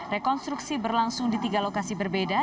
rekonstruksi berlangsung di tiga lokasi berbeda